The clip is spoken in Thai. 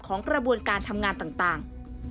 กระบวนการทำงานต่าง